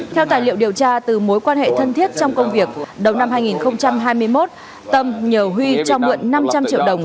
theo tài liệu điều tra từ mối quan hệ thân thiết trong công việc đầu năm hai nghìn hai mươi một tâm nhờ huy cho mượn năm trăm linh triệu đồng